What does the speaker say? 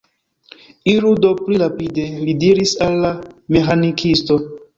Iru do pli rapide, li diris al la meĥanikisto.